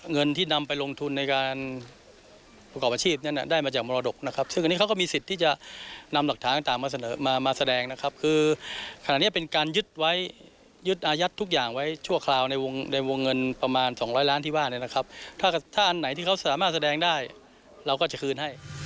เงินที่นำไปลงทุนในการประกอบอาชีพนั้น